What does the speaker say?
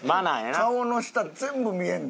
顔の下全部見えんで。